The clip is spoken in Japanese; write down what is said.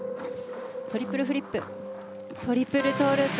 トリプルフリップトリプルトウループ。